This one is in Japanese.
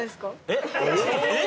えっ！？